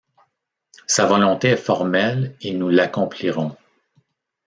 Sa volonté est formelle, et nous l’accomplirons